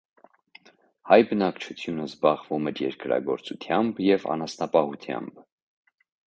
Հայ բնակչությունը զբաղվում էր երկրագործությամբ և անասնապահությամբ։